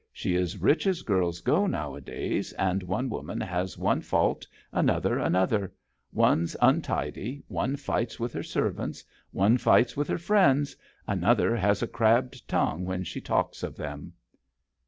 She is rich as girls go nowadays ; and one woman has one fault, another another : one's untidy, one fights with her servants, one fights with her friends, another has a crabbed tongue when she talks of them."